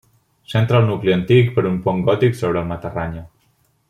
S'entra al nucli antic per un pont gòtic sobre el Matarranya.